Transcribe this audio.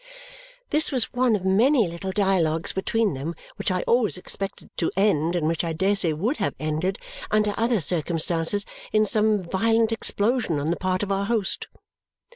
This was one of many little dialogues between them which I always expected to end, and which I dare say would have ended under other circumstances, in some violent explosion on the part of our host.